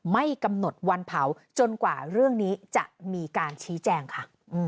ไม่กำหนดวันเผาจนกว่าเรื่องนี้จะมีการชี้แจงค่ะ